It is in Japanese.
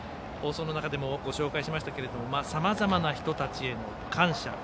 放送の中でもご紹介しましたけどさまざまな人たちへの感謝